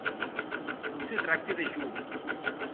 Non se tracte de jo.